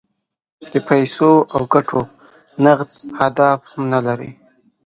د پیسو او ګټو نغد اهداف هم نه لري.